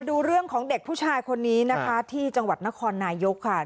ดูเรื่องของเด็กผู้ชายคนนี้นะคะที่จังหวัดนครนายกค่ะ